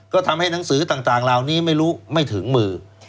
ก็ทำให้หนังสือต่างเหล่านี้ไม่รู้ไม่ถึงมือ